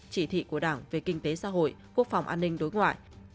chỉ thị của đảng về kinh tế xã hội quốc phòng an ninh đối ngoại